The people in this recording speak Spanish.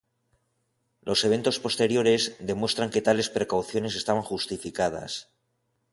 Los eventos posteriores demuestran que tales precauciones estaban justificadas.